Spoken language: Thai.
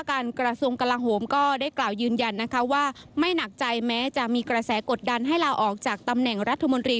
ก็ได้กล่ายยืนยันนะคะว่าไม่หนักใจแม้จะมีกระแสกดันให้เราออกจากตำแหน่งรัฐมนตรี